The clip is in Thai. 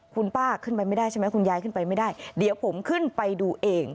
คุณป้าขึ้นไปไม่ได้ใช่ไหมคุณยายขึ้นไปไม่ได้เดี๋ยวผมขึ้นไปดูเอง